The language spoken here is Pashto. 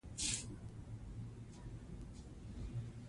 ایا نجونې پوهېږي چې زده کړه د اعتماد او همکارۍ لاره ده؟